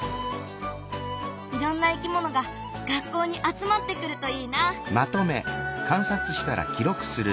いろんないきものが学校に集まってくるといいな。